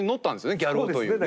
ギャル男というね。